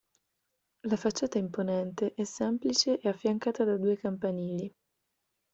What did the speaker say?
La facciata imponente è semplice e affiancata da due campanili.